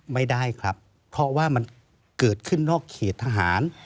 ไม่ได้ครับเพราะว่ามันเกิดขึ้นนอกเขตทหาร